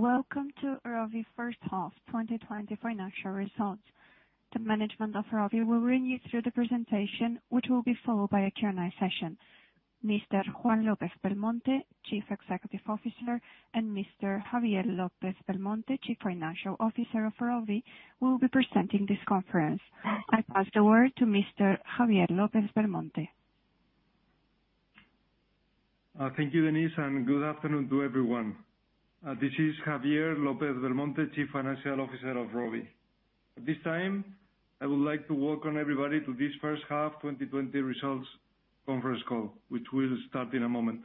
Welcome to ROVI first half 2020 financial results. The management of ROVI will run you through the presentation, which will be followed by a Q&A session. Mr. Juan López-Belmonte, Chief Executive Officer, and Mr. Javier López-Belmonte, Chief Financial Officer of ROVI, will be presenting this conference. I pass the word to Mr. Javier López-Belmonte. Thank you, Denise, and good afternoon to everyone. This is Javier López-Belmonte, Chief Financial Officer of ROVI. At this time, I would like to welcome everybody to this first half 2020 results conference call, which will start in a moment.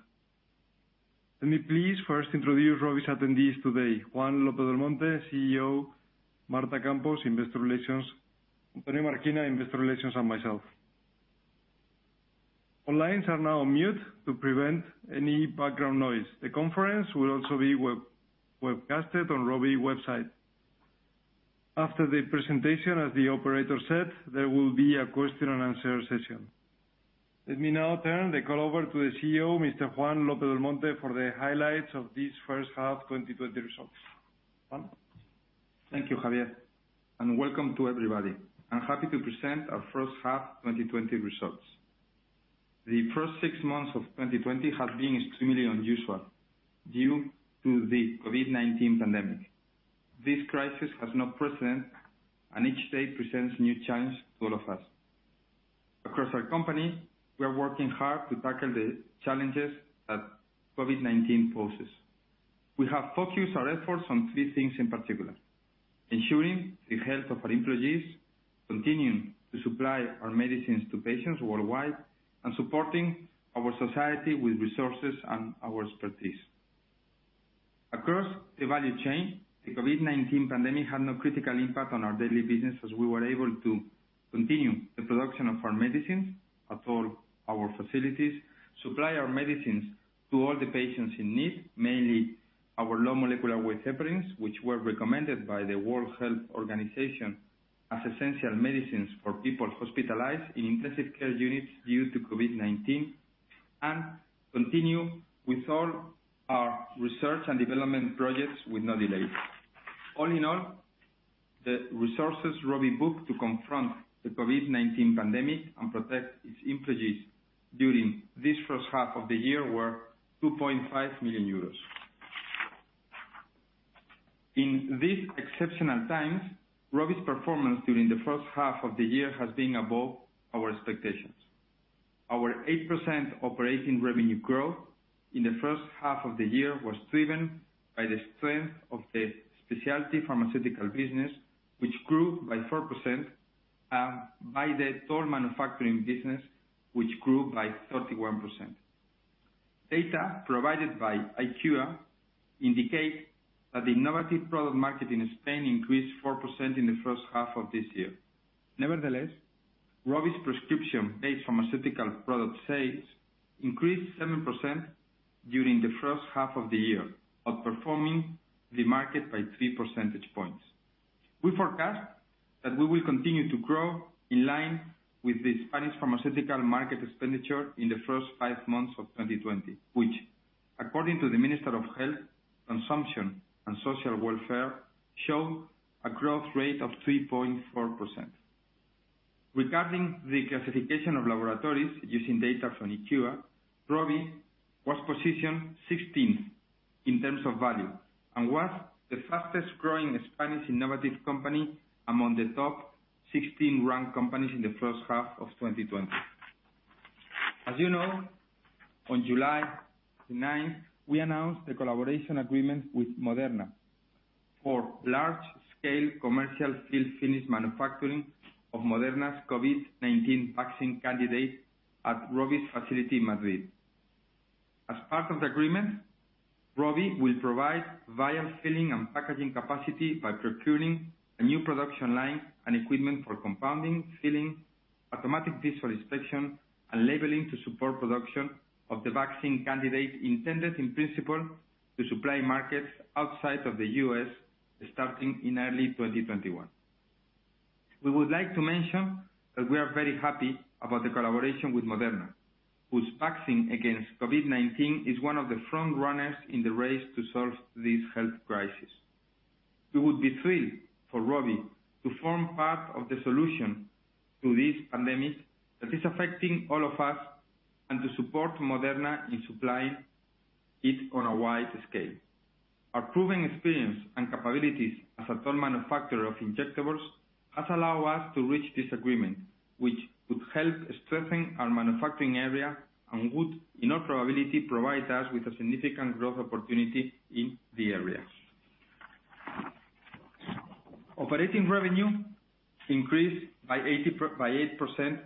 Let me please first introduce ROVI's attendees today, Juan López-Belmonte, Chief Executive Officer, Marta Campos, Investor Relations, Antonio Marquina, Investor Relations, and myself. All lines are now on mute to prevent any background noise. The conference will also be webcasted on ROVI website. After the presentation, as the operator said, there will be a question and answer session. Let me now turn the call over to the Chief Executive Officer, Mr. Juan López-Belmonte, for the highlights of this first half 2020 results. Juan? Thank you, Javier, and welcome to everybody. I'm happy to present our first half 2020 results. The first six months of 2020 have been extremely unusual due to the COVID-19 pandemic. This crisis has no precedent and each day presents new challenges to all of us. Across our company, we are working hard to tackle the challenges that COVID-19 poses. We have focused our efforts on three things in particular, ensuring the health of our employees, continuing to supply our medicines to patients worldwide, and supporting our society with resources and our expertise. Across the value chain, the COVID-19 pandemic had no critical impact on our daily business, as we were able to continue the production of our medicines at all our facilities, supply our medicines to all the patients in need, mainly our low molecular weight heparins, which were recommended by the World Health Organization as essential medicines for people hospitalized in intensive care units due to COVID-19, and continue with all our research and development projects with no delays. All in all, the resources ROVI booked to confront the COVID-19 pandemic and protect its employees during this first half of the year were 2.5 million euros. In these exceptional times, ROVI's performance during the first half of the year has been above our expectations. Our 8% operating revenue growth in the first half of the year was driven by the strength of the specialty pharmaceutical business, which grew by 4%, and by the toll manufacturing business, which grew by 31%. Data provided by IQVIA indicates that the innovative product market in Spain increased 4% in the first half of this year. Nevertheless, ROVI's prescription-based pharmaceutical product sales increased 7% during the first half of the year, outperforming the market by three percentage points. We forecast that we will continue to grow in line with the Spanish pharmaceutical market expenditure in the first five months of 2020, which according to the Minister of Health, Consumption, and Social Welfare, show a growth rate of 3.4%. Regarding the classification of laboratories using data from IQVIA, ROVI was positioned 16th in terms of value and was the fastest-growing Spanish innovative company among the top 16 ranked companies in the first half of 2020. As you know, on July 9, we announced a collaboration agreement with Moderna for large-scale commercial field finished manufacturing of Moderna's COVID-19 vaccine candidate at ROVI's facility in Madrid. As part of the agreement, ROVI will provide vial filling and packaging capacity by procuring a new production line and equipment for compounding, filling, automatic visual inspection, and labeling to support production of the vaccine candidate intended in principle to supply markets outside of the U.S., starting in early 2021. We would like to mention that we are very happy about the collaboration with Moderna, whose vaccine against COVID-19 is one of the frontrunners in the race to solve this health crisis. It would be thrilled for ROVI to form part of the solution to this pandemic that is affecting all of us and to support Moderna in supplying it on a wide scale. Our proven experience and capabilities as a third manufacturer of injectables has allowed us to reach this agreement, which would help strengthen our manufacturing area and would, in all probability, provide us with a significant growth opportunity in the area. Operating revenue increased by 8%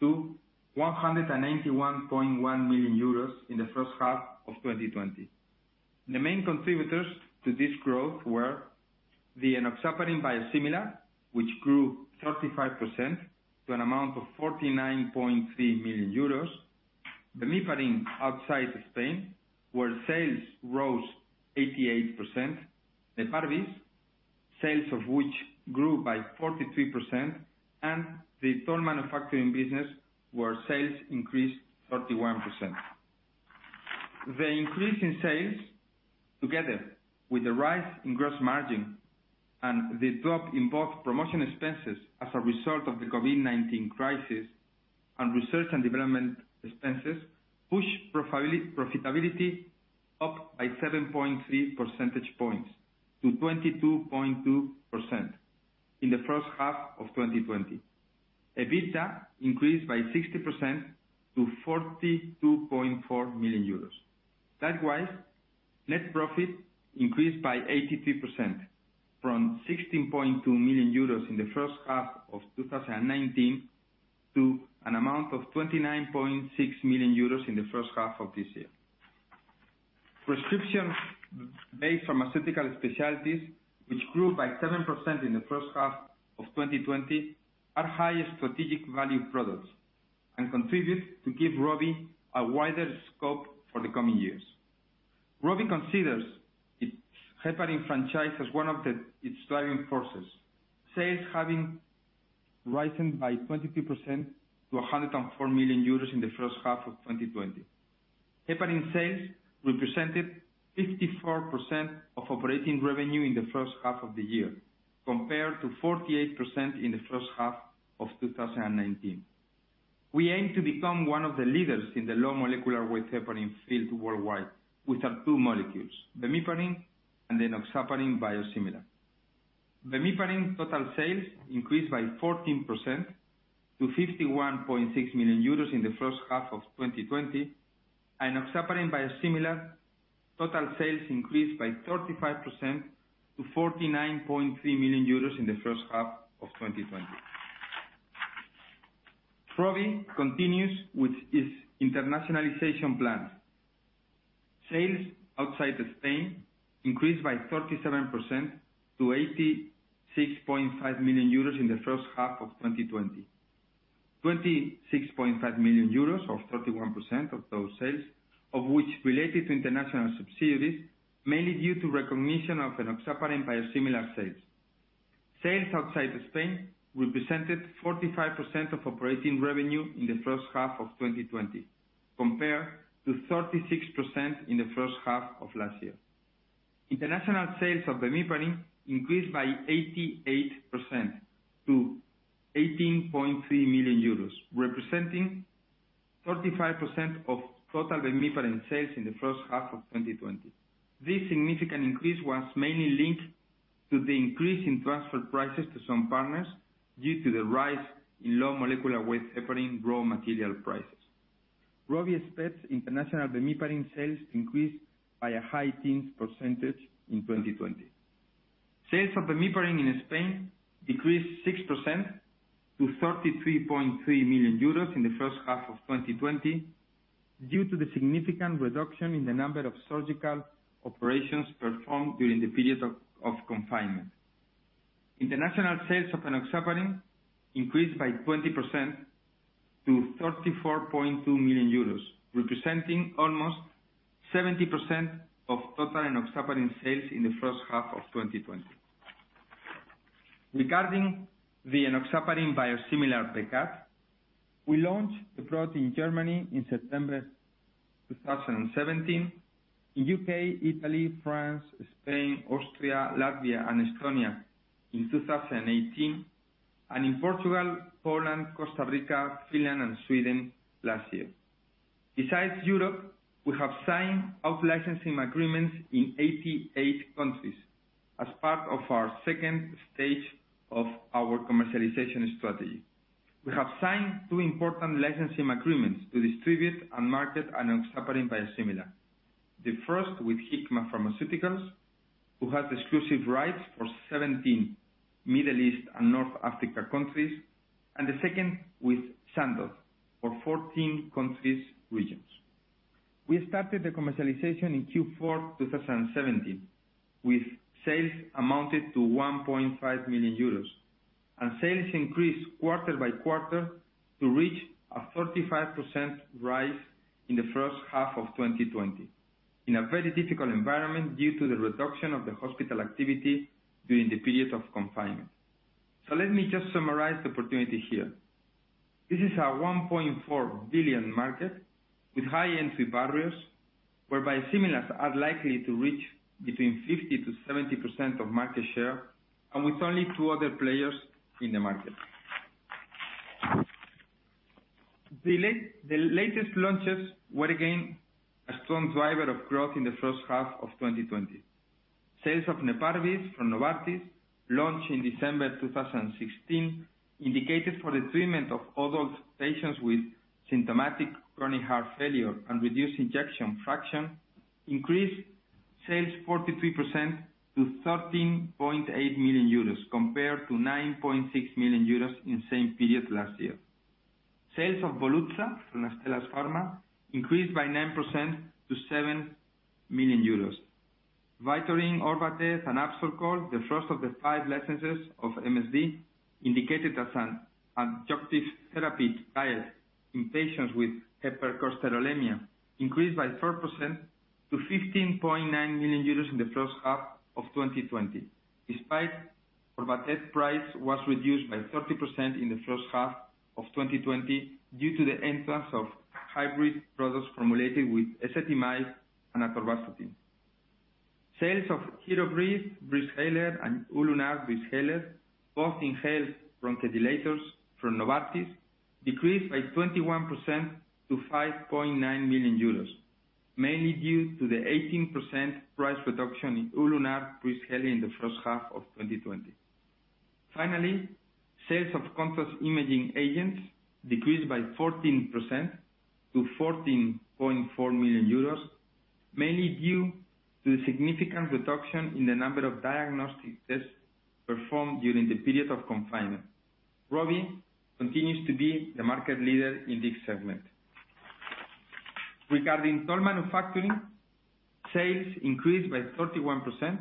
to 191.1 million euros in the first half of 2020. The main contributors to this growth were the enoxaparin biosimilar, which grew 35% to an amount of 49.3 million euros. Bemiparin outside Spain, where sales rose 88%. Neparvis, sales of which grew by 43%, and the toll manufacturing business, where sales increased 31%. The increase in sales, together with the rise in gross margin and the drop in both promotion expenses as a result of the COVID-19 crisis, and research and development expenses, pushed profitability up by 7.3 percentage points to 22.2% in the first half of 2020. EBITDA increased by 60% to 42.4 million euros. Likewise, net profit increased by 83%, from 16.2 million euros in the first half of 2019 to an amount of 29.6 million euros in the first half of this year. Prescription-based pharmaceutical specialties, which grew by 7% in the first half of 2020, are high strategic value products and contribute to give ROVI a wider scope for the coming years. ROVI considers its heparin franchise as one of its driving forces. Sales having risen by 22% to 104 million euros in the first half of 2020. Heparin sales represented 54% of operating revenue in the first half of the year, compared to 48% in the first half of 2019. We aim to become one of the leaders in the low molecular weight heparin field worldwide with our two molecules, bemiparin and enoxaparin biosimilar. Bemiparin total sales increased by 14% to 51.6 million euros in the first half of 2020, and enoxaparin biosimilar total sales increased by 35% to 49.3 million euros in the first half of 2020. ROVI continues with its internationalization plan. Sales outside of Spain increased by 37% to 86.5 million euros in the first half of 2020. 26.5 million euros or 31% of those sales of which related to international subsidiaries, mainly due to recognition of enoxaparin biosimilar sales. Sales outside of Spain represented 45% of operating revenue in the first half of 2020 compared to 36% in the first half of last year. International sales of bemiparin increased by 88% to 18.3 million euros, representing 35% of total bemiparin sales in the first half of 2020. This significant increase was mainly linked to the increase in transfer prices to some partners due to the rise in low molecular weight heparin raw material prices. ROVI expects international bemiparin sales to increase by a high teens percentage in 2020. Sales of bemiparin in Spain decreased 6% to 33.3 million euros in the first half of 2020 due to the significant reduction in the number of surgical operations performed during the period of confinement. International sales of enoxaparin increased by 20% to 34.2 million euros, representing almost 70% of total enoxaparin sales in the first half of 2020. Regarding the enoxaparin biosimilar Becat, we launched the product in Germany in September 2017. In U.K., Italy, France, Spain, Austria, Latvia, and Estonia in 2018, and in Portugal, Poland, Costa Rica, Finland, and Sweden last year. Besides Europe, we have signed out-licensing agreements in 88 countries as part of our stage 2 of our commercialization strategy. We have signed two important licensing agreements to distribute and market enoxaparin biosimilar. The first with Hikma Pharmaceuticals, who has exclusive rights for 17 Middle East and North Africa countries, and the second with Sandoz for 14 countries/regions. We started the commercialization in Q4 2017, with sales amounted to 1.5 million euros, and sales increased quarter-by-quarter to reach a 35% rise in the first half of 2020, in a very difficult environment due to the reduction of the hospital activity during the period of confinement. Let me just summarize the opportunity here. This is a 1.4 billion market with high entry barriers, where biosimilars are likely to reach between 50%-70% of market share, and with only two other players in the market. The latest launches were again a strong driver of growth in the first half of 2020. Sales of Neparvis from Novartis, launched in December 2016, indicated for the treatment of adult patients with symptomatic chronic heart failure and reduced ejection fraction, increased sales 43% to 13.8 million euros compared to 9.6 million euros in the same period last year. Sales of Volutsa from Astellas Pharma increased by 9% to 7 million euros. Vytorin, Orvatez, and Absorcol, the first of the five licenses of MSD indicated as an adjunctive therapy trial in patients with hypercholesterolemia, increased by 4% to 15.9 million euros in the first half of 2020, despite Orvatez price was reduced by 30% in the first half of 2020 due to the entrance of hybrid products formulated with ezetimibe and atorvastatin. Sales of Seebri Breezhaler and Ulunar Breezhaler, both inhaled bronchodilators from Novartis, decreased by 21% to 5.9 million euros, mainly due to the 18% price reduction in Ulunar Breezhaler in the first half of 2020. Finally, sales of contrast imaging agents decreased by 14% to 14.4 million euros, mainly due to the significant reduction in the number of diagnostic tests performed during the period of confinement. ROVI continues to be the market leader in this segment. Regarding drug manufacturing, sales increased by 31%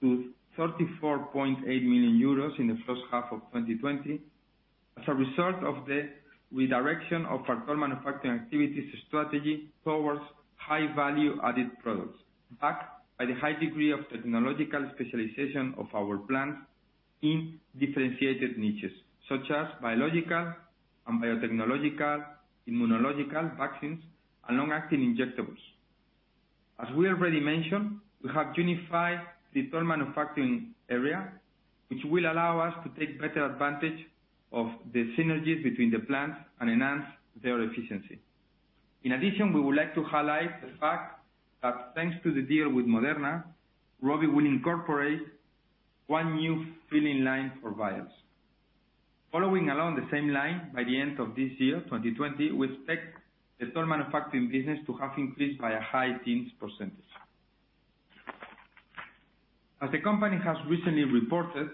to 34.8 million euros in the first half of 2020, as a result of the redirection of our drug manufacturing activities strategy towards high value-added products, backed by the high degree of technological specialization of our plants in differentiated niches, such as biological and biotechnological, immunological vaccines, and long-acting injectables. As we already mentioned, we have unified the drug manufacturing area, which will allow us to take better advantage of the synergies between the plants and enhance their efficiency. In addition, we would like to highlight the fact that thanks to the deal with Moderna, ROVI will incorporate one new filling line for vials. Following along the same line, by the end of this year, 2020, we expect the drug manufacturing business to have increased by a high teens percentage. As the company has recently reported,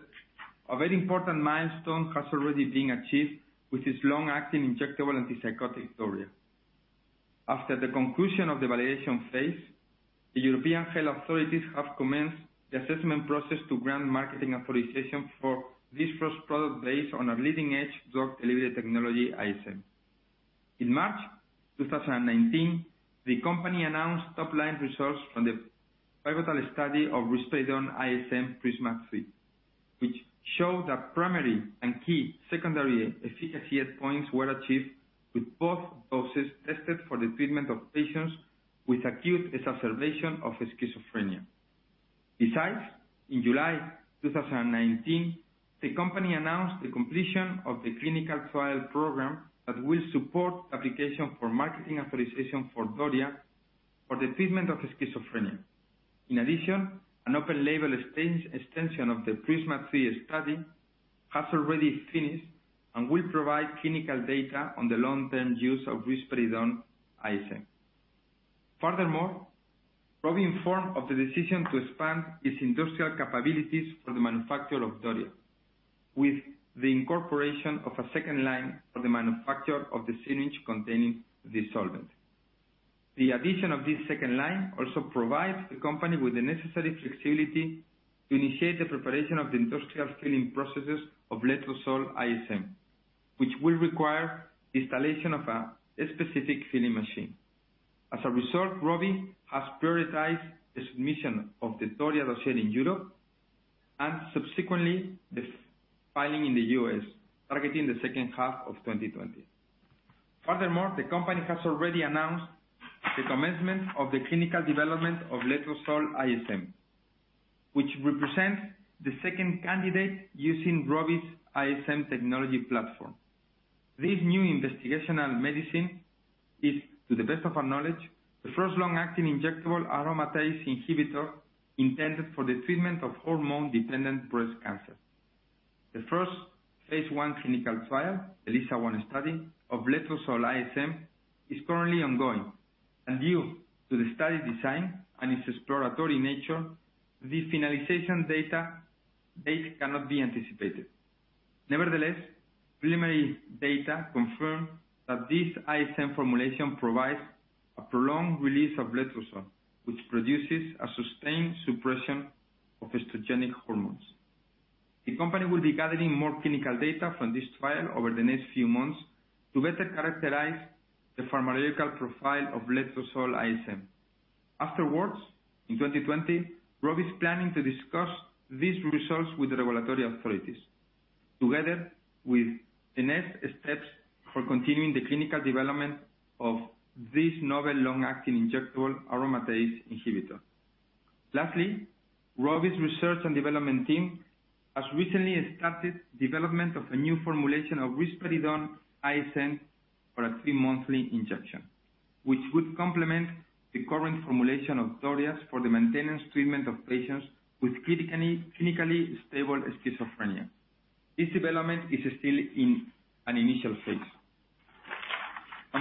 a very important milestone has already been achieved with its long-acting injectable antipsychotic, DORIA. After the conclusion of the validation phase, the European health authorities have commenced the assessment process to grant marketing authorization for this first product based on a leading-edge drug-delivered technology, ISM. In March 2019, the company announced top-line results from the pivotal study of risperidone ISM, PRISMA-3, which showed that primary and key secondary efficacy endpoints were achieved with both doses tested for the treatment of patients with acute exacerbation of schizophrenia. Besides, in July 2019, the company announced the completion of the clinical trial program that will support application for marketing authorization for DORIA for the treatment of schizophrenia. In addition, an open label extension of the PRISMA-3 study has already finished and will provide clinical data on the long-term use of risperidone ISM. Furthermore, ROVI informed of the decision to expand its industrial capabilities for the manufacture of DORIA, with the incorporation of a second line for the manufacture of the syringe containing the solvent. The addition of this second line also provides the company with the necessary flexibility to initiate the preparation of the industrial filling processes of letrozole ISM, which will require installation of a specific filling machine. As a result, ROVI has prioritized the submission of the DORIA dossier in Europe, and subsequently the filing in the U.S., targeting the second half of 2020. Furthermore, the company has already announced the commencement of the clinical development of letrozole ISM, which represents the second candidate using ROVI's ISM technology platform. This new investigational medicine is, to the best of our knowledge, the first long-acting injectable aromatase inhibitor intended for the treatment of hormone-dependent breast cancer. The first phase I clinical trial, LISA-1 study, of letrozole ISM is currently ongoing, and due to the study design and its exploratory nature, the finalization database cannot be anticipated. Nevertheless, preliminary data confirm that this ISM formulation provides a prolonged release of letrozole, which produces a sustained suppression of estrogenic hormones. The company will be gathering more clinical data from this trial over the next few months to better characterize the pharmacological profile of letrozole ISM. Afterwards, in 2020, ROVI's planning to discuss these results with the regulatory authorities, together with the next steps for continuing the clinical development of this novel long-acting injectable aromatase inhibitor. Lastly, ROVI's research and development team has recently started development of a new formulation of risperidone ISM for a three-monthly injection, which would complement the current formulation of DORIA for the maintenance treatment of patients with clinically stable schizophrenia. This development is still in an initial phase.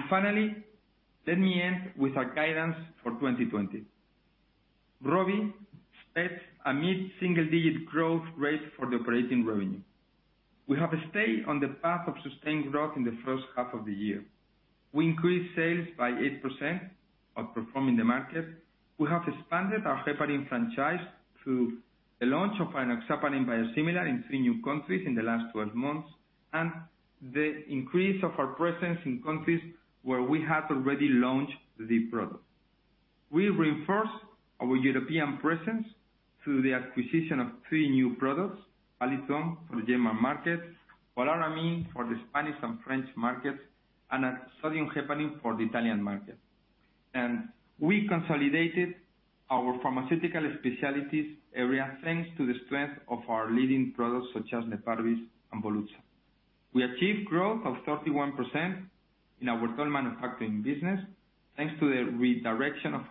Finally, let me end with our guidance for 2020. ROVI expects a mid-single-digit growth rate for the operating revenue. We have stayed on the path of sustained growth in the first half of the year. We increased sales by 8%, outperforming the market. We have expanded our heparin franchise through the launch of enoxaparin biosimilar in three new countries in the last 12 months. The increase of our presence in countries where we have already launched the product. We reinforced our European presence through the acquisition of three new products, [Falithrom] for the German market, Polaramine for the Spanish and French markets, and sodium heparin for the Italian market. We consolidated our pharmaceutical specialties area, thanks to the strength of our leading products such as Neparvis and Volutsa. We achieved growth of 31% in our toll manufacturing business thanks to the redirection of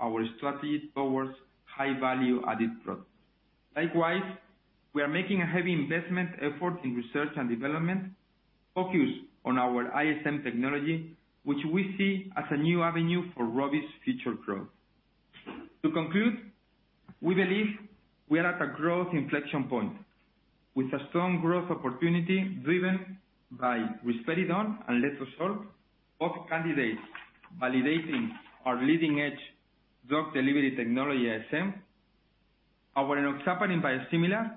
our strategy towards high value-added products. Likewise, we are making a heavy investment effort in research and development focused on our ISM technology, which we see as a new avenue for ROVI's future growth. To conclude, we believe we are at a growth inflection point with a strong growth opportunity driven by risperidone and letrozole, both candidates validating our leading-edge drug delivery technology, ISM. Our enoxaparin biosimilar,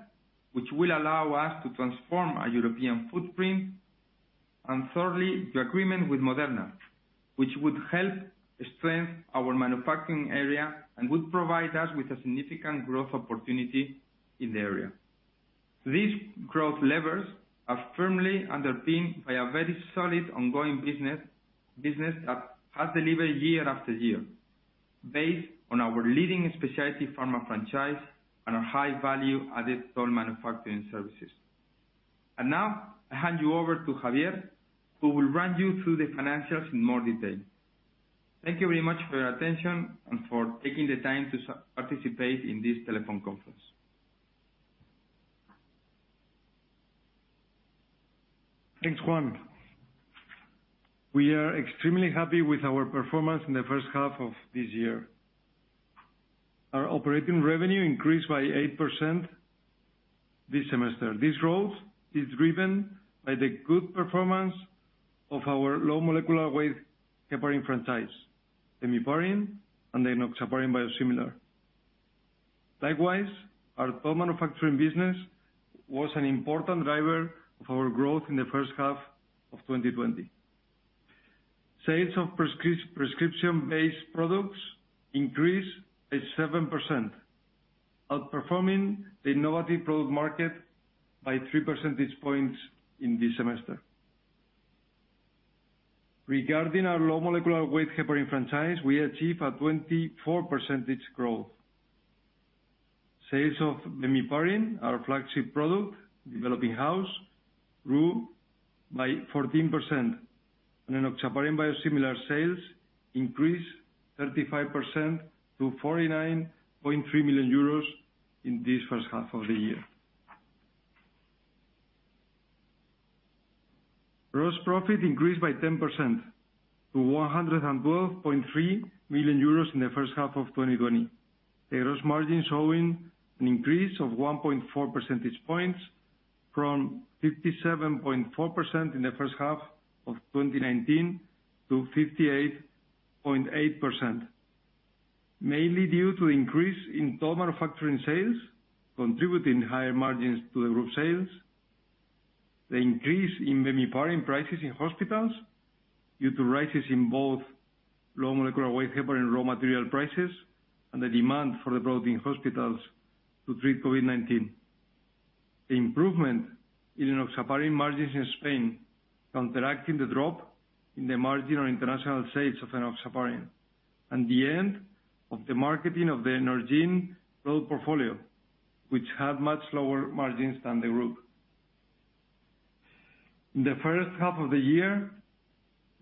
which will allow us to transform our European footprint, and thirdly, the agreement with Moderna, which would help strengthen our manufacturing area and would provide us with a significant growth opportunity in the area. These growth levers are firmly underpinned by a very solid ongoing business that has delivered year after year, based on our leading specialty pharma franchise and our high value-added toll manufacturing services. Now I hand you over to Javier, who will run you through the financials in more detail. Thank you very much for your attention and for taking the time to participate in this telephone conference. Thanks, Juan. We are extremely happy with our performance in the first half of this year. Our operating revenue increased by 8% this semester. This growth is driven by the good performance of our low molecular weight heparin franchise, enoxaparin and the enoxaparin biosimilar. Likewise, our toll manufacturing business was an important driver of our growth in the first half of 2020. Sales of prescription-based products increased by 7%, outperforming the novelty product market by three percentage points in this semester. Regarding our low molecular weight heparin franchise, we achieved a 24% growth. Sales of bemiparin, our flagship product developing house, grew by 14%, and enoxaparin biosimilar sales increased 35% to 49.3 million euros in this first half of the year. Gross profit increased by 10% to 112.3 million euros in the first half of 2020. The gross margin showing an increase of 1.4 percentage points from 57.4% in the first half of 2019 to 58.8%, mainly due to increase in toll manufacturing sales, contributing higher margins to the group sales. The increase in bemiparin prices in hospitals due to rises in both low molecular weight heparin raw material prices and the demand for the product in hospitals to treat COVID-19. The improvement in enoxaparin margins in Spain, counteracting the drop in the margin on international sales of enoxaparin, and the end of the marketing of the Norgine growth portfolio, which had much lower margins than the group. In the first half of the year,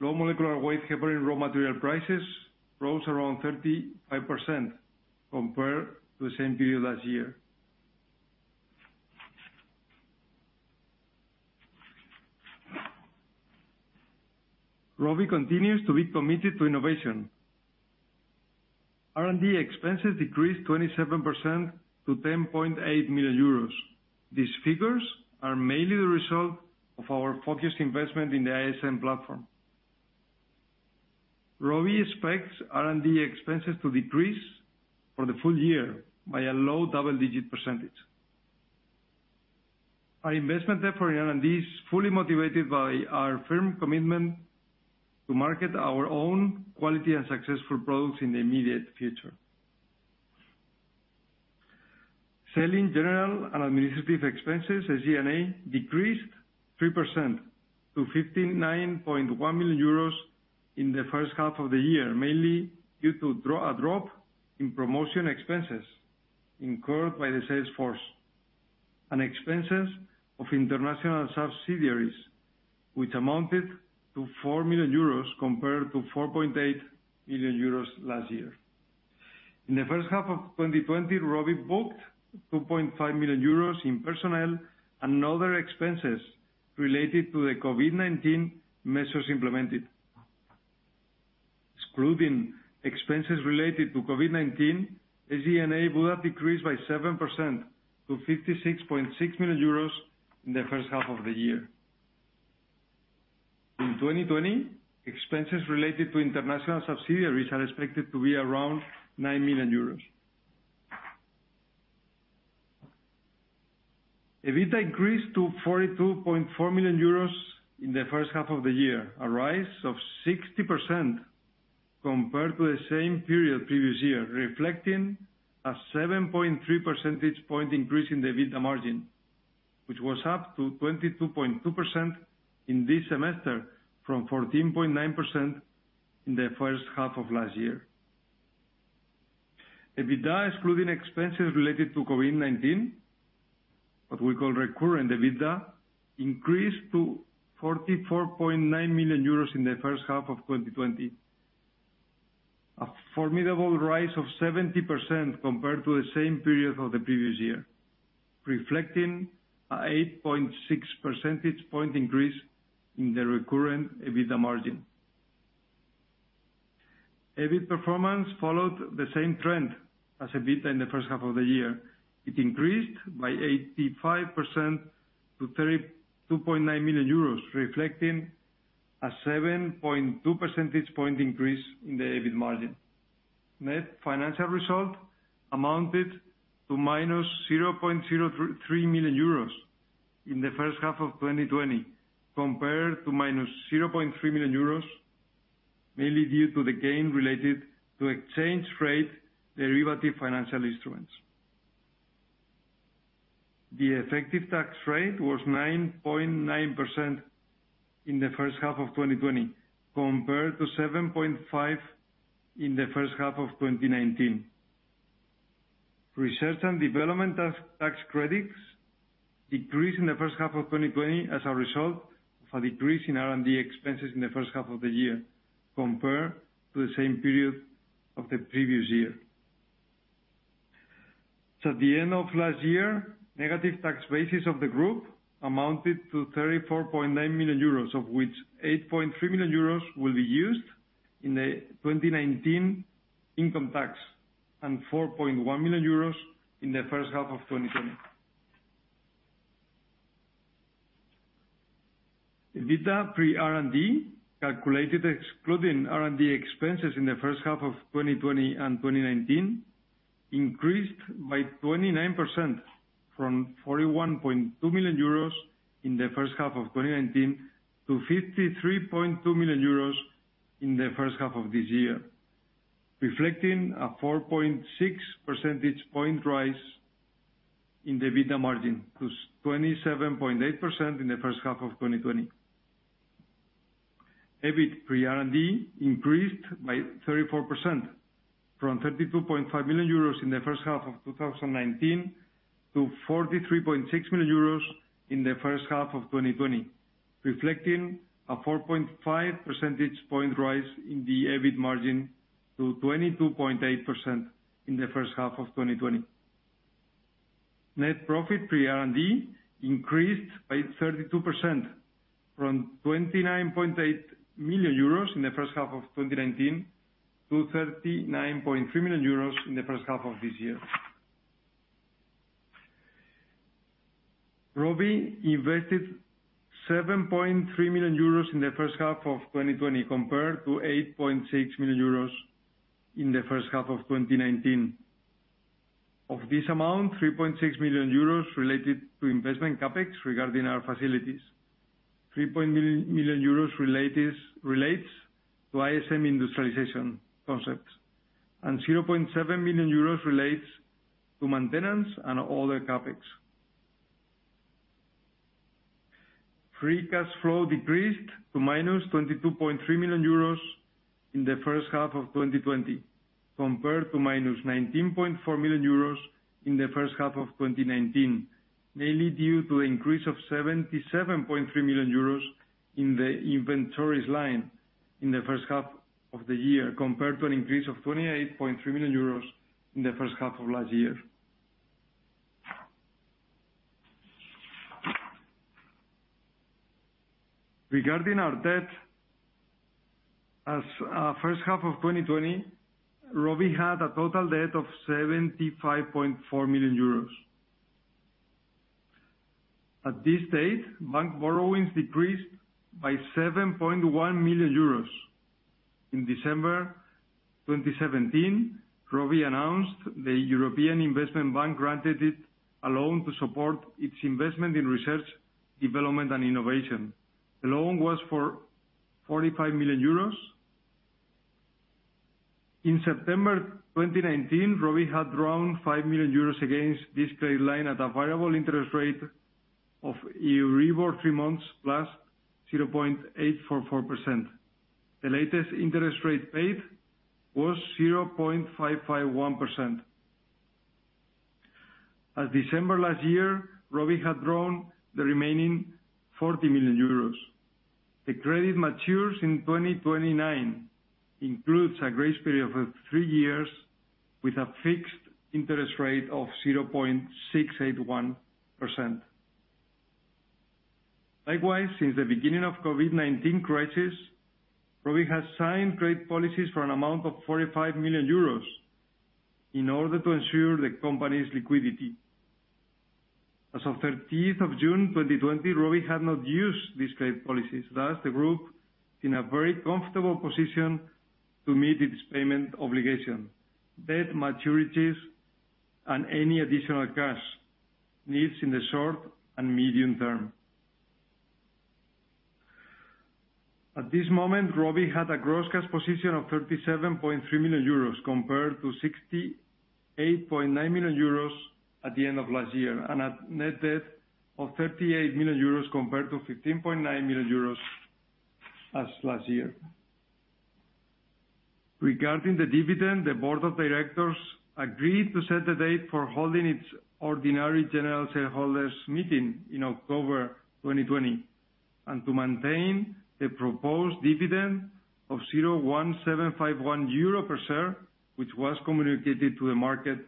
low molecular weight heparin raw material prices rose around 35% compared to the same period last year. ROVI continues to be committed to innovation. R&D expenses decreased 27% to 10.8 million euros. These figures are mainly the result of our focused investment in the ISM platform. ROVI expects R&D expenses to decrease for the full year by a low double-digit %. Our investment, therefore, in R&D is fully motivated by our firm commitment to market our own quality and successful products in the immediate future. Selling, general, and administrative expenses, SG&A decreased 3% to 59.1 million euros in the first half of the year, mainly due to a drop in promotion expenses incurred by the sales force and expenses of international subsidiaries, which amounted to 4 million euros compared to 4.8 million euros last year. In the first half of 2020, ROVI booked 2.5 million euros in personnel and other expenses related to the COVID-19 measures implemented. Excluding expenses related to COVID-19, the G&A would have decreased by 7% to 56.6 million euros in the first half of the year. In 2020, expenses related to international subsidiaries are expected to be around 9 million euros. EBITDA increased to 42.4 million euros in the first half of the year, a rise of 60% compared to the same period previous year, reflecting a 7.3 percentage point increase in the EBITDA margin, which was up to 22.2% in this semester from 14.9% in the first half of last year. EBITDA excluding expenses related to COVID-19, what we call recurrent EBITDA, increased to 44.9 million euros in the first half of 2020. A formidable rise of 70% compared to the same period of the previous year, reflecting a 8.6 percentage point increase in the recurrent EBITDA margin. EBIT performance followed the same trend as EBITDA in the first half of the year. It increased by 85% to 32.9 million euros, reflecting a 7.2 percentage point increase in the EBIT margin. Net financial result amounted to -0.03 million euros in the first half of 2020, compared to -0.3 million euros, mainly due to the gain related to exchange rate derivative financial instruments. The effective tax rate was 9.9% in the first half of 2020, compared to 7.5% in the first half of 2019. Research and development as tax credits decreased in the first half of 2020 as a result of a decrease in R&D expenses in the first half of the year compared to the same period of the previous year. At the end of last year, negative tax basis of the group amounted to 34.9 million euros, of which 8.3 million euros will be used in the 2019 income tax and 4.1 million euros in the first half of 2020. EBITDA pre-R&D, calculated excluding R&D expenses in the first half of 2020 and 2019, increased by 29% from 41.2 million euros in the first half of 2019 to 53.2 million euros in the first half of this year, reflecting a 4.6 percentage point rise in the EBITDA margin to 27.8% in the first half of 2020. EBIT pre-R&D increased by 34% from 32.5 million euros in the first half of 2019 to 43.6 million euros in the first half of 2020, reflecting a 4.5 percentage point rise in the EBIT margin to 22.8% in the first half of 2020. Net profit pre-R&D increased by 32% from 29.8 million euros in the first half of 2019 to 39.3 million euros in the first half of this year. ROVI invested 7.3 million euros in the first half of 2020, compared to 8.6 million euros in the first half of 2019. Of this amount, 3.6 million euros related to investment CapEx regarding our facilities. 3 million euros relates to ISM industrialization concept, and 0.7 million euros relates to maintenance and other CapEx. Free cash flow decreased to -22.3 million euros in the first half of 2020, compared to -19.4 million euros in the first half of 2019, mainly due to increase of 77.3 million euros in the inventories line in the first half of the year, compared to an increase of 28.3 million euros in the first half of last year. Regarding our debt, as our first half of 2020, ROVI had a total debt of 75.4 million euros. At this date, bank borrowings decreased by 7.1 million euros. In December 2017, ROVI announced the European Investment Bank granted it a loan to support its investment in research, development, and innovation. The loan was for 45 million euros. In September 2019, ROVI had drawn 5 million euros against this credit line at a variable interest rate of Euribor three months, +0.844%. The latest interest rate paid was 0.551%. As December last year, ROVI had drawn the remaining 40 million euros. The credit matures in 2029, includes a grace period of three years with a fixed interest rate of 0.681%. Likewise, since the beginning of COVID-19 crisis, ROVI has signed credit policies for an amount of 45 million euros in order to ensure the company's liquidity. As of June 30, 2020, ROVI had not used these credit policies. Thus, the group in a very comfortable position to meet its payment obligation, debt maturities, and any additional cash needs in the short and medium term. At this moment, ROVI had a gross cash position of 37.3 million euros compared to 68.9 million euros at the end of last year, and a net debt of 38 million euros compared to 15.9 million euros as last year. Regarding the dividend, the board of directors agreed to set the date for holding its ordinary general shareholders meeting in October 2020, and to maintain the proposed dividend of 0.1751 euro per share, which was communicated to the market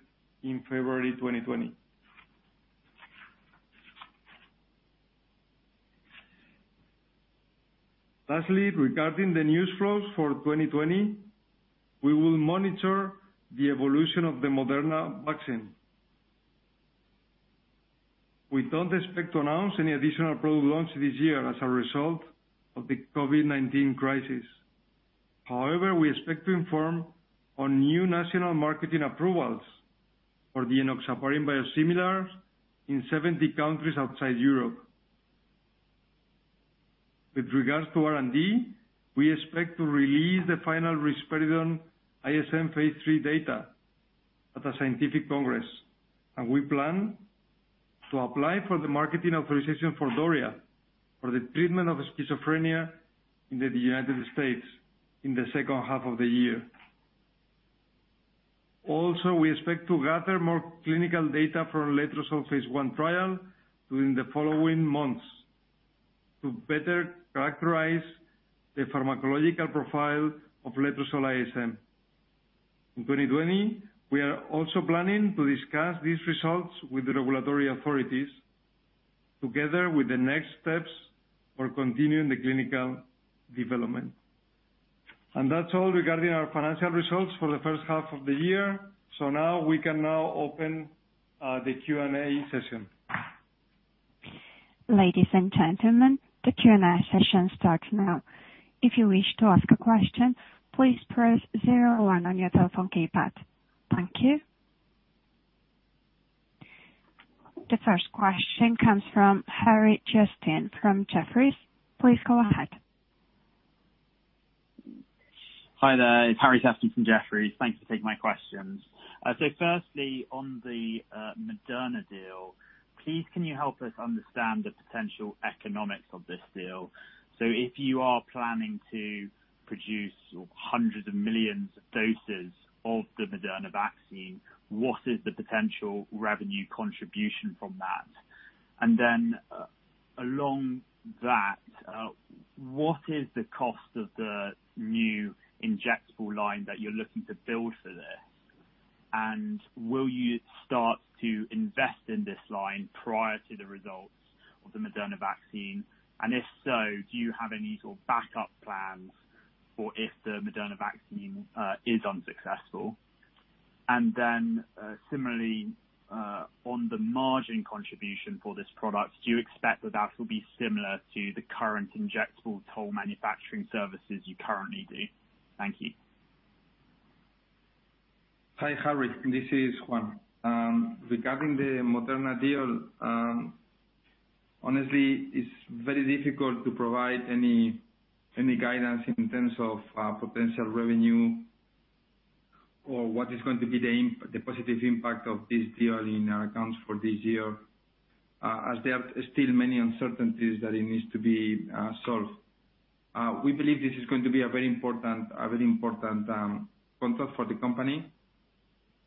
in February 2020. Regarding the news flows for 2020, we will monitor the evolution of the Moderna vaccine. We don't expect to announce any additional product launches this year as a result of the COVID-19 crisis. We expect to inform on new national marketing approvals for the enoxaparin biosimilars in 70 countries outside Europe. With regards to R&D, we expect to release the final risperidone ISM phase III data at a scientific congress. We plan to apply for the marketing authorization for DORIA for the treatment of schizophrenia in the United States in the second half of the year. Also, we expect to gather more clinical data for letrozole phase I trial during the following months to better characterize the pharmacological profile of letrozole ISM. In 2020, we are also planning to discuss these results with the regulatory authorities together with the next steps for continuing the clinical development. That's all regarding our financial results for the first half of the year. Now, we can now open the Q&A session. Ladies and gentlemen, the Q&A session starts now. If you wish to ask a question, please press zero one on your telephone keypad. Thank you. The first question comes from Harry Sephton from Jefferies, please go ahead. Hi there? It's Harry Sephton from Jefferies. Thanks for taking my questions. Firstly, on the Moderna deal, please can you help us understand the potential economics of this deal? If you are planning to produce hundreds of millions of doses of the Moderna vaccine, what is the potential revenue contribution from that? Along that, what is the cost of the new injectable line that you're looking to build for this? Will you start to invest in this line prior to the results of the Moderna vaccine? If so, do you have any sort of backup plans for if the Moderna vaccine is unsuccessful? Similarly, on the margin contribution for this product, do you expect that that will be similar to the current injectable toll manufacturing services you currently do? Thank you. Hi, Harry. This is Juan. Regarding the Moderna deal, honestly, it's very difficult to provide any guidance in terms of potential revenue or what is going to be the positive impact of this deal in our accounts for this year, as there are still many uncertainties that it needs to be solved. We believe this is going to be a very important contract for the company.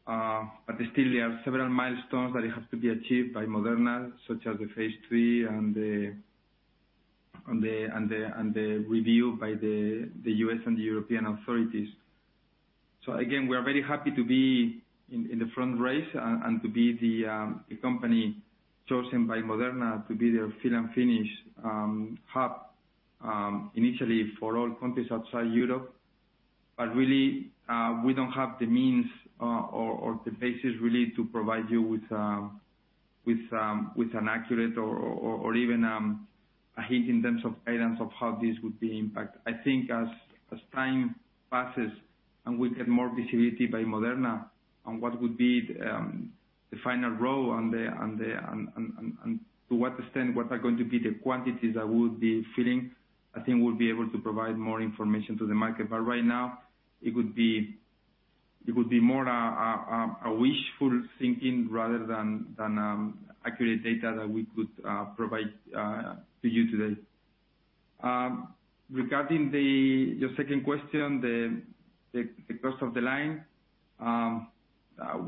Still, there are several milestones that have to be achieved by Moderna, such as the phase III and the review by the U.S. and the European authorities. Again, we are very happy to be in the front race and to be the company chosen by Moderna to be their fill and finish hub, initially for all countries outside Europe. Really, we don't have the means or the basis really to provide you with an accurate or even a hint in terms of items of how this would be impact. I think as time passes and we get more visibility by Moderna on what would be the final role and to what extent, what are going to be the quantities that we would be filling, I think we'll be able to provide more information to the market. Right now, it would be more a wishful thinking rather than accurate data that we could provide to you today. Regarding your second question, the cost of the line.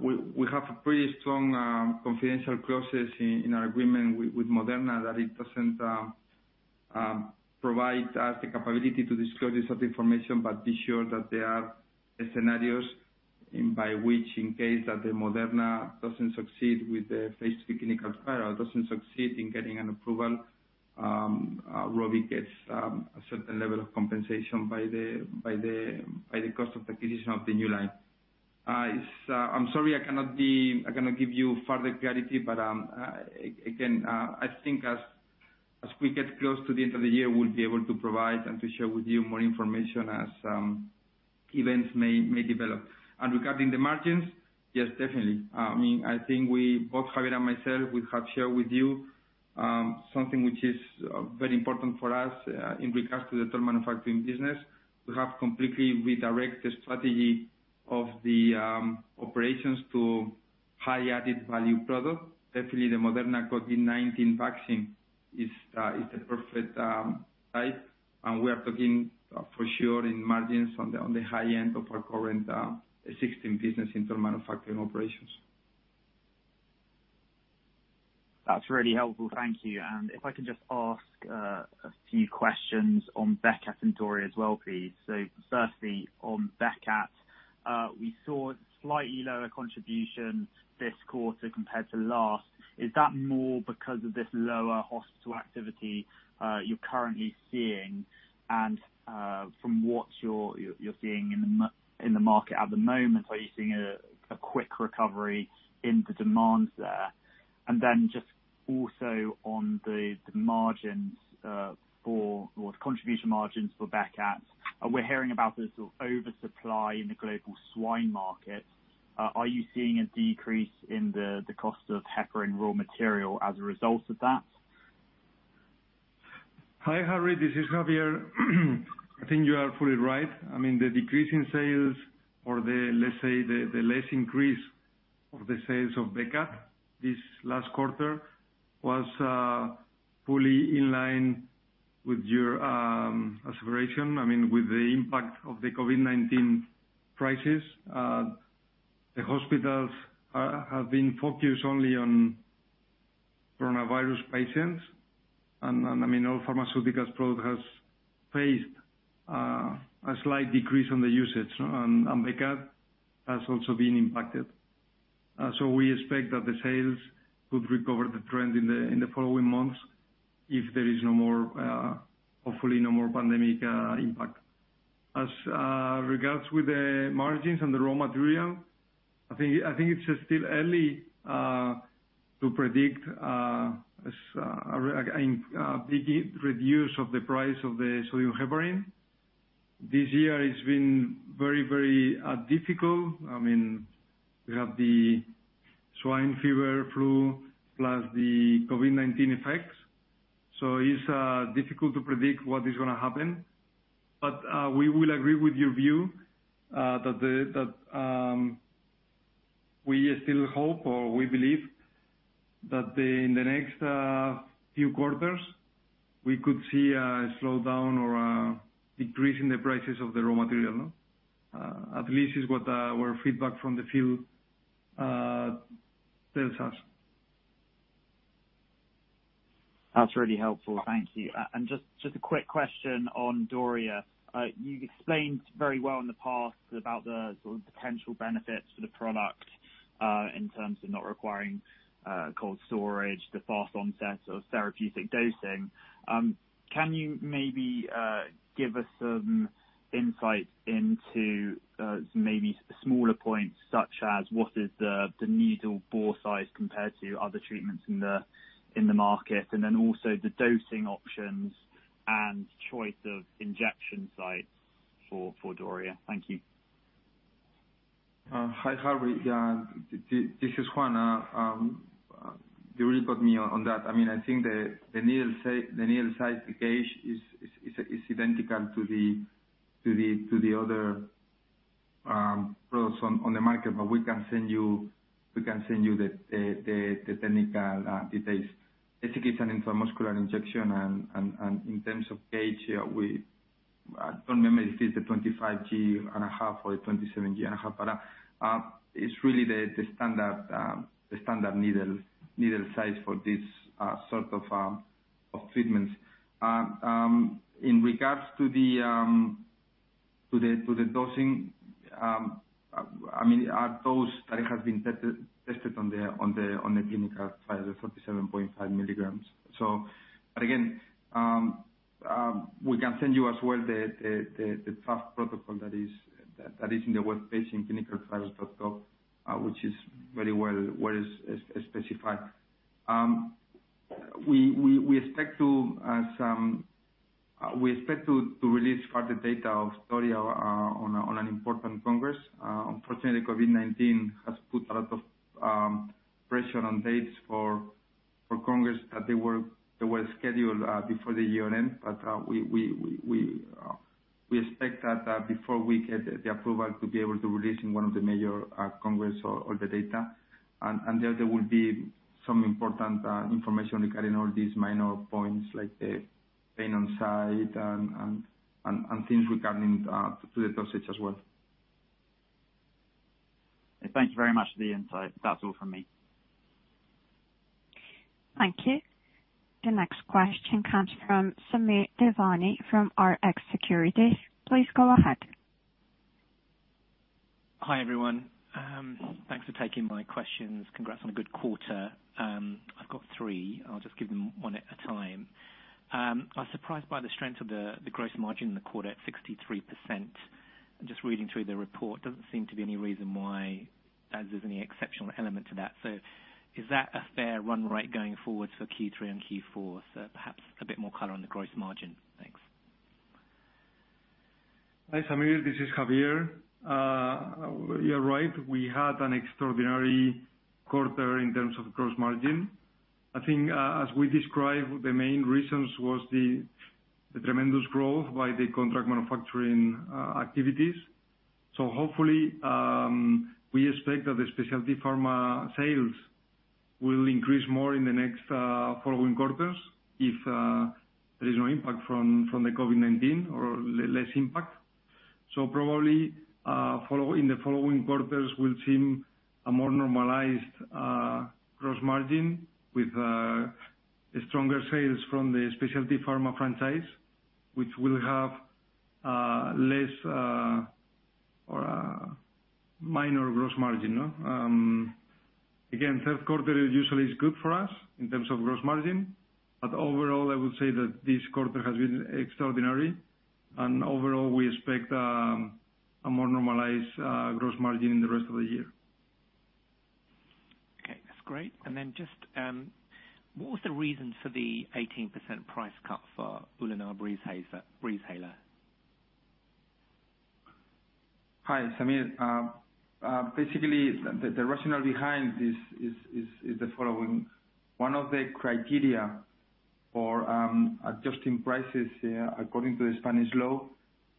We have a pretty strong confidential process in our agreement with Moderna that it doesn't provide us the capability to disclose this information, but be sure that there are scenarios by which, in case that the Moderna doesn't succeed with the phase III clinical trial, doesn't succeed in getting an approval, ROVI gets a certain level of compensation by the cost of acquisition of the new line. I'm sorry I cannot give you further clarity, but again, I think as we get close to the end of the year, we'll be able to provide and to share with you more information as events may develop. Regarding the margins, yes, definitely. I think both Javier and myself, we have shared with you something which is very important for us in regards to the drug manufacturing business. We have completely redirected the strategy of the operations to high added value product. Definitely, the Moderna COVID-19 vaccine is the perfect type. We are talking for sure in margins on the high end of our current existing business in term manufacturing operations. That's really helpful. Thank you. If I can just ask a few questions on Becat and DORIA as well, please. Firstly, on Becat, we saw slightly lower contribution this quarter compared to last. Is that more because of this lower hospital activity you're currently seeing? From what you're seeing in the market at the moment, are you seeing a quick recovery in the demands there? On the margins, or the contribution margins for Becat, we're hearing about the sort of oversupply in the global swine market. Are you seeing a decrease in the cost of heparin raw material as a result of that? Hi, Harry, this is Javier. I think you are fully right. The decrease in sales or let's say the less increase of the sales of Becat this last quarter was fully in line with your assertion. With the impact of the COVID-19 crisis, the hospitals have been focused only on coronavirus patients. All pharmaceuticals product has faced a slight decrease on the usage, and Becat has also been impacted. We expect that the sales could recover the trend in the following months if there is hopefully no more pandemic impact. As regards with the margins and the raw material, I think it's still early to predict a big reduce of the price of the sodium heparin. This year has been very difficult. We have the African swine fever plus the COVID-19 effects, so it's difficult to predict what is going to happen. We will agree with your view, that we still hope or we believe that in the next few quarters, we could see a slowdown or a decrease in the prices of the raw material. At least it's what our feedback from the field tells us. That's really helpful. Thank you. Just a quick question on DORIA. You explained very well in the past about the sort of potential benefits for the product, in terms of not requiring cold storage, the fast onset of therapeutic dosing. Can you maybe give us some insights into maybe smaller points, such as what is the needle bore size compared to other treatments in the market, and then also the dosing options and choice of injection sites for DORIA? Thank you. Hi, Harry. This is Juan. You really put me on that. I think the needle size, the gauge, is identical to the other products on the market. We can send you the technical details. I think it's an intramuscular injection, and in terms of gauge, I don't remember if it's a 25G and a half or a 27G and a half, but it's really the standard needle size for this sort of treatments. In regards to the dosing, our dose that has been tested on the clinical trial is 47.5 mg. Again, we can send you as well the draft protocol that is in the web page in clinicaltrials.gov, where it's specified. We expect to release further data of DORIA on an important congress. Unfortunately, COVID-19 has put a lot of pressure on dates for congress that were scheduled before the year-end. We expect that before we get the approval to be able to release in one of the major congress all the data. There, there will be some important information regarding all these minor points like the pain on site and things regarding to the dosage as well. Thank you very much for the insight. That's all from me. Thank you. The next question comes from Samir Devani from Rx Securities, please go ahead. Hi, everyone? Thanks for taking my questions. Congrats on a good quarter. I've got three. I'll just give them one at a time. I was surprised by the strength of the gross margin in the quarter at 63%. Just reading through the report, doesn't seem to be any reason why, as there's any exceptional element to that. Is that a fair run rate going forward for Q3 and Q4? Perhaps a bit more color on the gross margin. Thanks. Hi, Samir. This is Javier. You're right. We had an extraordinary quarter in terms of gross margin. I think, as we described, the main reasons was the tremendous growth by the contract manufacturing activities. Hopefully, we expect that the specialty pharma sales will increase more in the next following quarters if there is no impact from the COVID-19 or less impact. Probably, in the following quarters, we'll see a more normalized gross margin with stronger sales from the specialty pharma franchise, which will have less or minor gross margin. Again, third quarter usually is good for us in terms of gross margin. Overall, I would say that this quarter has been extraordinary. Overall, we expect a more normalized gross margin in the rest of the year. Okay, that's great. Then just, what was the reason for the 18% price cut for Ulunar Breezhaler? Hi, Samir. Basically, the rationale behind this is the following. One of the criteria for adjusting prices according to the Spanish law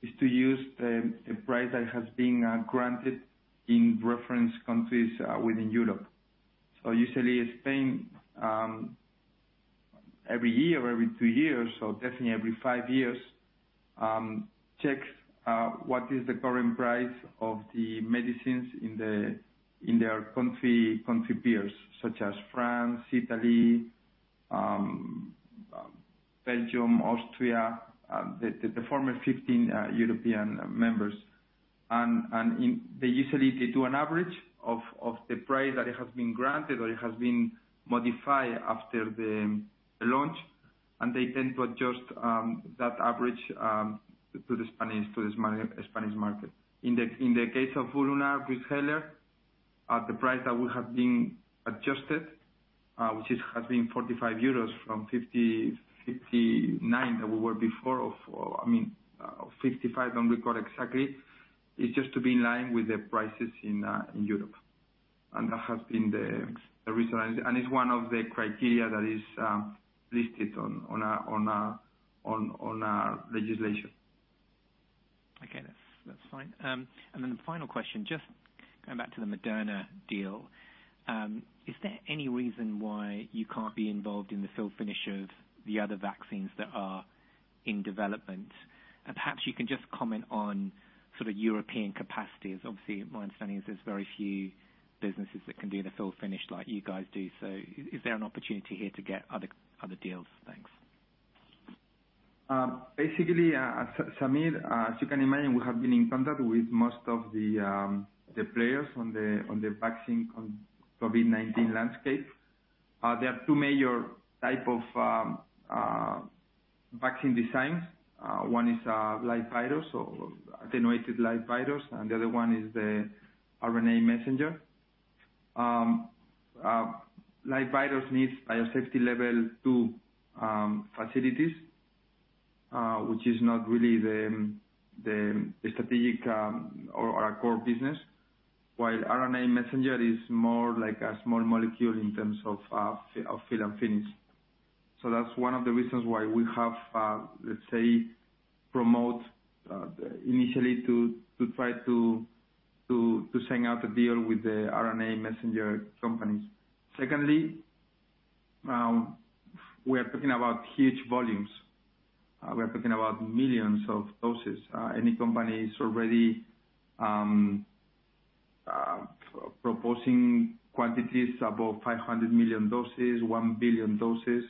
is to use the price that has been granted in reference countries within Europe. Usually, Spain, every year or every two years, definitely every five years, checks what is the current price of the medicines in their country peers, such as France, Italy, Belgium, Austria, the former 15 European members. They usually do an average of the price that has been granted or it has been modified after the launch, and they tend to adjust that average to the Spanish market. In the case of Ulunar Breezhaler, the price that would have been adjusted, which has been 45 euros from 59 that we were before, or 55, don't recall exactly. It is just to be in line with the prices in Europe. That has been the reason. It's one of the criteria that is listed on our legislation. Okay, that's fine. The final question, just going back to the Moderna deal. Is there any reason why you can't be involved in the fill finish of the other vaccines that are in development? Perhaps you can just comment on sort of European capacity, as obviously my understanding is there's very few businesses that can do the fill finish like you guys do. Is there an opportunity here to get other deals? Thanks. Basically, Samir, as you can imagine, we have been in contact with most of the players on the vaccine, on COVID-19 landscape. There are two major type of vaccine designs. One is live virus or attenuated live virus, and the other one is the RNA messenger. Live virus needs biosafety level two facilities, which is not really the strategic or our core business, while RNA messenger is more like a small molecule in terms of fill and finish. That's one of the reasons why we have, let's say, promote initially to try to send out a deal with the RNA messenger companies. Secondly, we are talking about huge volumes. We are talking about millions of doses. Any company is already proposing quantities above 500 million doses, 1 billion doses.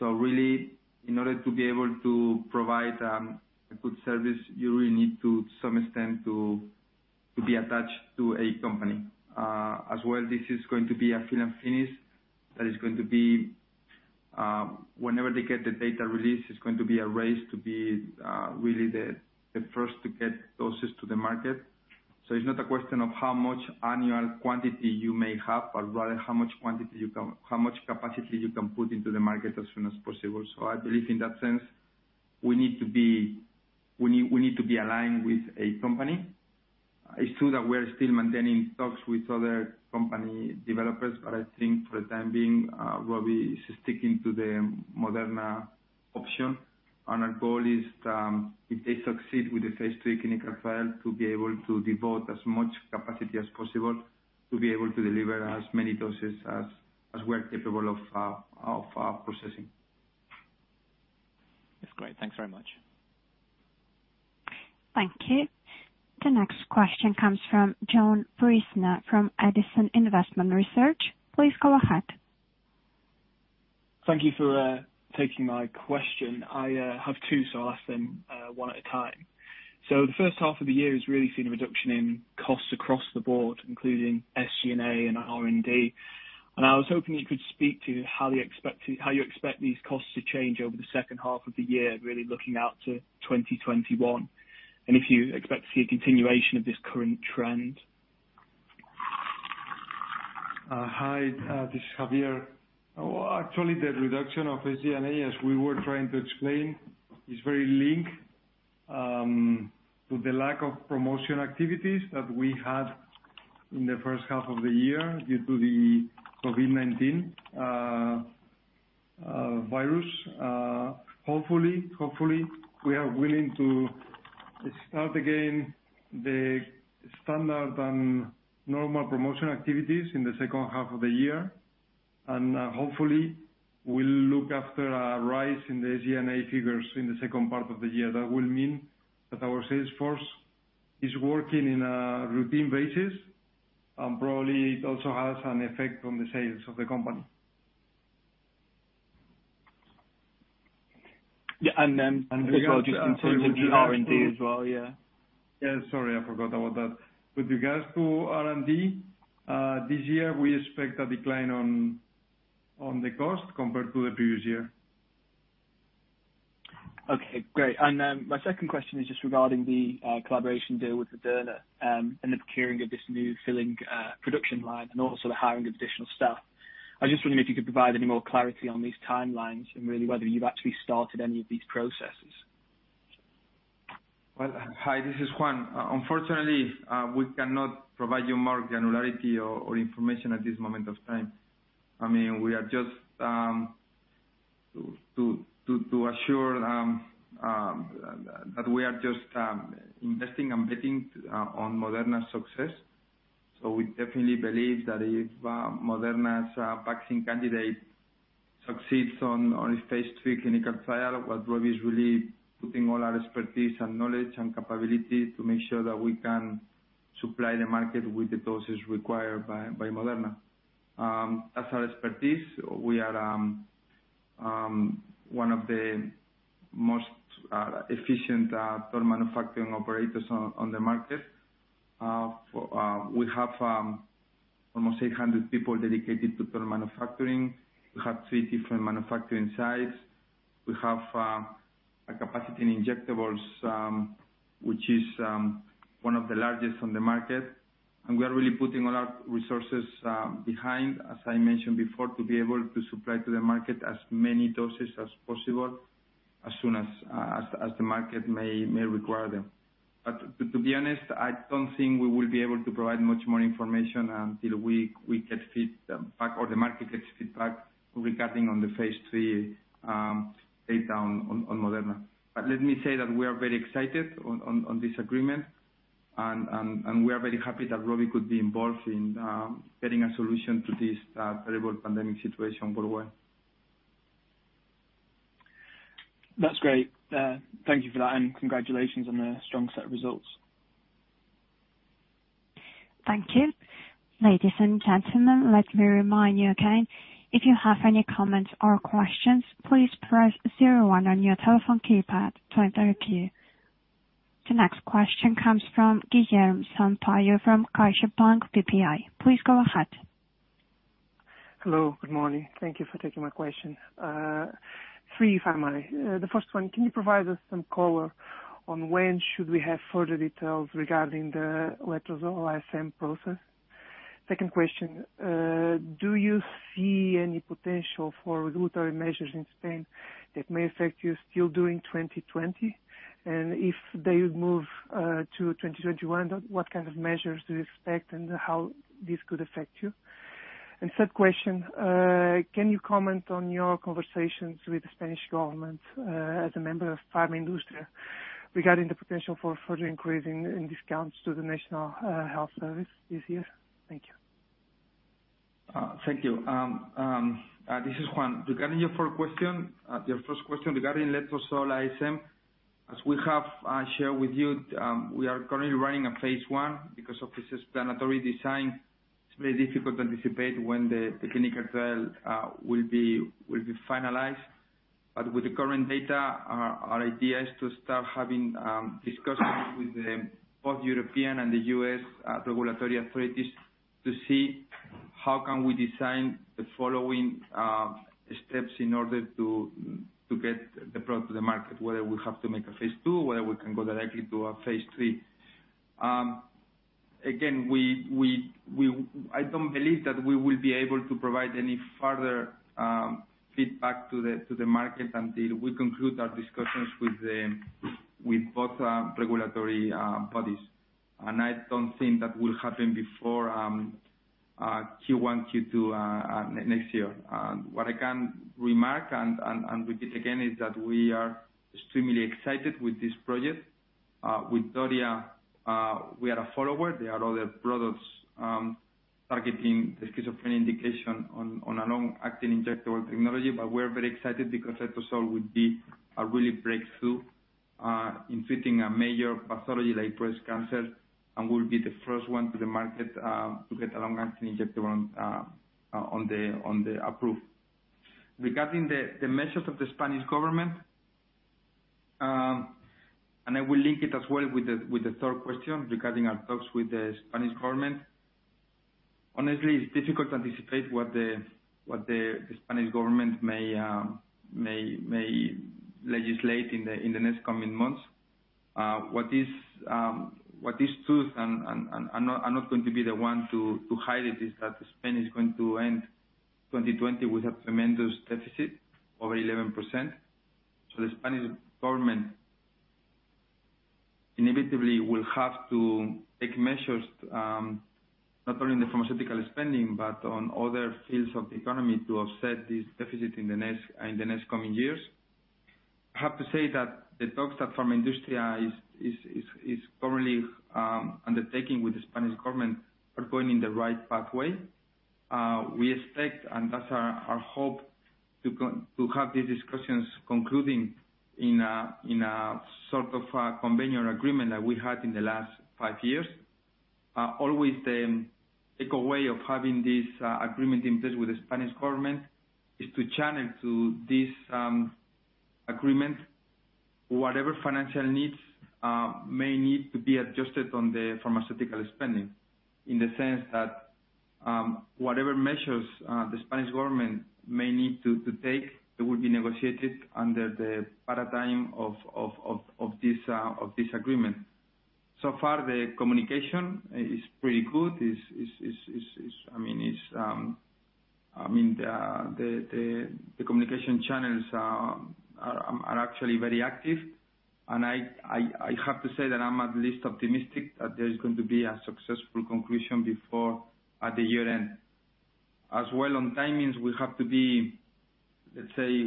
Really, in order to be able to provide a good service, you really need to some extent to be attached to a company. As well, this is going to be a fill and finish that is going to be, whenever they get the data release, it's going to be a race to be really the first to get doses to the market. It's not a question of how much annual quantity you may have, but rather how much capacity you can put into the market as soon as possible. I believe in that sense, we need to be aligned with a company. It's true that we're still maintaining talks with other company developers, but I think for the time being, we'll be sticking to the Moderna option. Our goal is, if they succeed with the phase III clinical trial, to be able to devote as much capacity as possible to be able to deliver as many doses as we're capable of processing. That's great. Thanks very much. Thank you. The next question comes from John Priestner from Edison Investment Research, please go ahead. Thank you for taking my question. I have two, so I'll ask them one at a time. The first half of the year has really seen a reduction in costs across the board, including SG&A and R&D. I was hoping you could speak to how you expect these costs to change over the second half of the year, really looking out to 2021, and if you expect to see a continuation of this current trend. Hi, this is Javier. Actually, the reduction of SG&A, as we were trying to explain, is very linked to the lack of promotion activities that we had in the first half of the year due to the COVID-19 virus. Hopefully, we are willing to start again the standard and normal promotion activities in the second half of the year. Hopefully, we'll look after a rise in the SG&A figures in the second part of the year. That will mean that our sales force is working in a routine basis, and probably it also has an effect on the sales of the company. Yeah. Then just in terms of the R&D as well, yeah. Yeah. Sorry, I forgot about that. With regards to R&D, this year, we expect a decline on the cost compared to the previous year. Okay, great. My second question is just regarding the collaboration deal with Moderna, and the procuring of this new filling production line and also the hiring of additional staff. I just wonder if you could provide any more clarity on these timelines and really whether you've actually started any of these processes. Well, hi, this is Juan. Unfortunately, we cannot provide you more granularity or information at this moment of time. I mean, we are just to assure that we are just investing and betting on Moderna's success. We definitely believe that if Moderna's vaccine candidate succeeds on its phase III clinical trial, but ROVI is really putting all our expertise and knowledge and capability to make sure that we can supply the market with the doses required by Moderna. As our expertise, we are one of the most efficient toll manufacturing operators on the market. We have almost 800 people dedicated to toll manufacturing. We have three different manufacturing sites. We have a capacity in injectables, which is one of the largest on the market. We are really putting a lot of resources behind, as I mentioned before, to be able to supply to the market as many doses as possible, as soon as the market may require them. To be honest, I don't think we will be able to provide much more information until we get feedback or the market gets feedback regarding the phase III data on Moderna. Let me say that we are very excited on this agreement and we are very happy that ROVI could be involved in getting a solution to this terrible pandemic situation worldwide. That's great. Thank you for that and congratulations on the strong set of results. Thank you. Ladies and gentlemen, let me remind you again, if you have any comments or questions, please press zero one on your telephone keypad to enter a queue. The next question comes from Guilherme Sampaio from CaixaBank BPI, please go ahead. Hello, good morning? Thank you for taking my question. Three. The first one, can you provide us some color on when should we have further details regarding the letrozole ISM process? Second question, do you see any potential for regulatory measures in Spain that may affect you still during 2020? If they move to 2021, what kind of measures do you expect and how this could affect you? Third question, can you comment on your conversations with the Spanish Government, as a member of Farmaindustria, regarding the potential for further increasing in discounts to the National Health Service this year? Thank you. Thank you. This is Juan. Regarding your first question regarding letrozole ISM, as we have shared with you, we are currently running a phase I. Because of this exploratory design, it's very difficult to anticipate when the clinical trial will be finalized. With the current data, our idea is to start having discussions with both European and the U.S. regulatory authorities to see how can we design the following steps in order to get the product to the market, whether we have to make a phase II, whether we can go directly to a phase III. Again, I don't believe that we will be able to provide any further feedback to the market until we conclude our discussions with both regulatory bodies, and I don't think that will happen before Q1, Q2 next year. What I can remark and repeat again is that we are extremely excited with this project. With DORIA, we are a follower. There are other products targeting the schizophrenia indication on a long-acting injectable technology. We're very excited because letrozole would be a really breakthrough. in treating a major pathology like breast cancer and will be the first one to the market to get a long-acting injectable on the approve. Regarding the measures of the Spanish Government, I will link it as well with the third question regarding our talks with the Spanish Government. Honestly, it's difficult to anticipate what the Spanish Government may legislate in the next coming months. What is true, I'm not going to be the one to hide it, is that Spain is going to end 2020 with a tremendous deficit of 11%. The Spanish Government inevitably will have to take measures, not only in the pharmaceutical spending, but on other fields of the economy to offset this deficit in the next coming years. I have to say that the talks that Farmaindustria is currently undertaking with the Spanish Government are going in the right pathway. We expect, and that's our hope, to have these discussions concluding in a sort of convenient agreement that we had in the last five years. Always the equal way of having this agreement in place with the Spanish Government is to channel to this agreement whatever financial needs may need to be adjusted on the pharmaceutical spending, in the sense that whatever measures the Spanish Government may need to take, that will be negotiated under the paradigm of this agreement. So far, the communication is pretty good. The communication channels are actually very active. I have to say that I'm at least optimistic that there is going to be a successful conclusion before at the year-end. On timings, we have to be, let's say,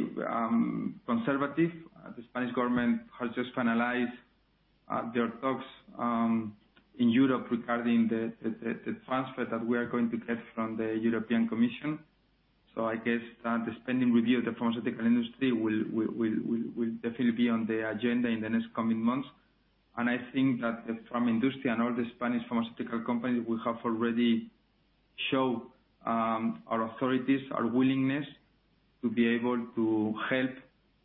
conservative. The Spanish government has just finalized their talks in Europe regarding the transfer that we are going to get from the European Commission. I guess that the spending review of the pharmaceutical industry will definitely be on the agenda in the next coming months. I think that Farmaindustria and all the Spanish pharmaceutical companies, we have already show our authorities our willingness to be able to help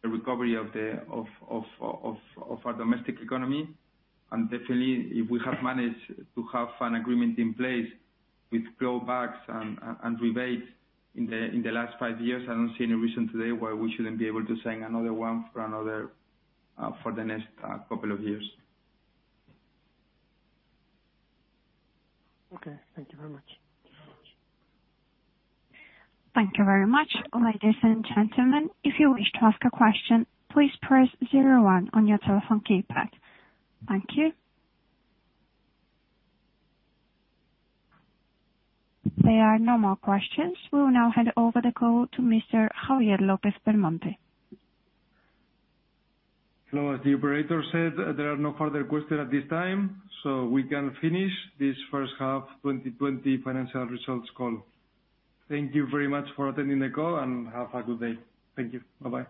the recovery of our domestic economy, and definitely if we have managed to have an agreement in place with clawbacks and rebates in the last five years, I don't see any reason today why we shouldn't be able to sign another one for the next couple of years. Okay. Thank you very much. Thank you very much. Ladies and gentlemen, if you wish to ask a question, please press zero one on your telephone keypad. Thank you. There are no more questions. We will now hand over the call to Mr. Javier López-Belmonte. Hello. As the Operator said, there are no further questions at this time, so we can finish this first half 2020 financial results call. Thank you very much for attending the call, and have a good day. Thank you. Bye-bye.